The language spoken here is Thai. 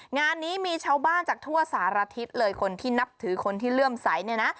งานนี้มีชาวบ้านจากทั่วสารทิศเลยคนที่นับถือคนที่เลื่อมใสเนี่ยนะ